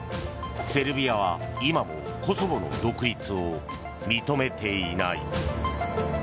セルビアは今もコソボの独立を認めていない。